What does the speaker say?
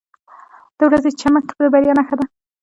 • د ورځې چمک د بریا نښه ده.